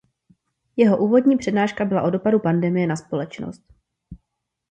Jeho úvodní přednáška byla o dopadu pandemie na společnost.